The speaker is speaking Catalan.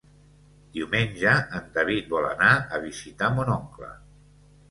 Diumenge en David vol anar a visitar mon oncle.